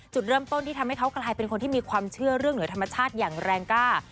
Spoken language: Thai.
จุดเริ่มต้นที่ทำให้เขากลายเป็นคนที่มีความเชื่อเรื่องเหนือธรรมชาติอย่างแรงกล้า